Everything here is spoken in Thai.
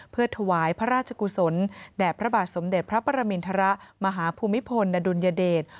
เพื่อถวายพระราชกุศลแด่พระบาทสมเด็จพระปรมินทรมาหาภูมิพลอดุลยเดช